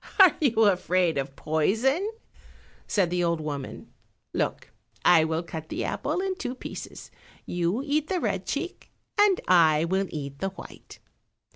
"Are you afraid of poison?" said the old woman; "look, I will cut the apple in two pieces; you eat the red cheek, and I will eat the white."